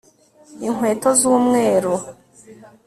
inkweto z'umweru